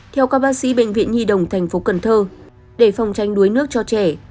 theo các bác sĩ bệnh viện nhi đồng tp cn để phòng tranh đuối nước cho trẻ